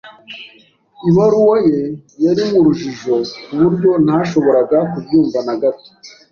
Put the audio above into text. Ibaruwa ye yari mu rujijo ku buryo ntashoboraga kubyumva na gato.